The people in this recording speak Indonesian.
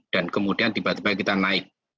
dan kemudian tiba tiba kita naik